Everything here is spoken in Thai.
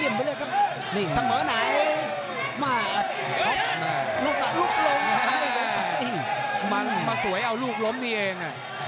มันมาสวยเอาลูกล้มนี่เอง